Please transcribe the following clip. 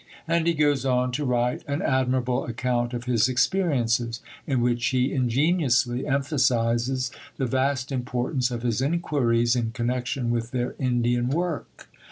And he goes on to write an admirable account of his experiences, in which he ingeniously emphasizes the vast importance of his inquiries in connection with their Indian work.